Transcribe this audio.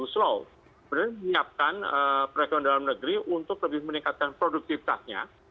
sebenarnya menyiapkan perekonomian dalam negeri untuk lebih meningkatkan produktivitasnya